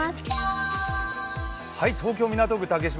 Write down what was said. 東京・港区竹芝